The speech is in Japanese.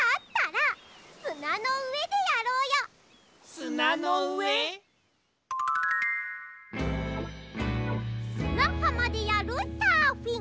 すなはまでやるサーフィン。